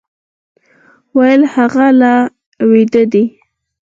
وويل هغه لا ويده دی.